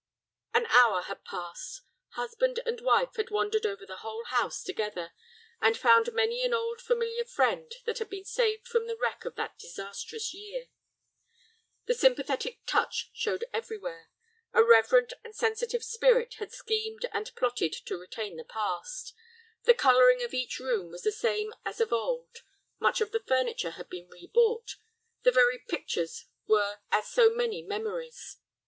An hour had passed. Husband and wife had wandered over the whole house together, and found many an old familiar friend that had been saved from the wreck of that disastrous year. The sympathetic touch showed everywhere, a reverent and sensitive spirit had schemed and plotted to retain the past. The coloring of each room was the same as of old; much of the furniture had been rebought; the very pictures were as so many memories.